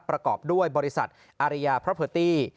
ประกอบด้วยบริษัทอาริยาพระเพอร์ตี้